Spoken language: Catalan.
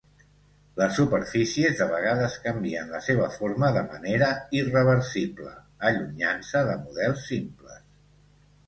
Les superfícies de vegades canvien la seva forma de manera irreversible allunyant-se de models simples.